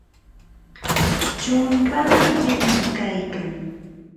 Chumpaa yanami kaykan.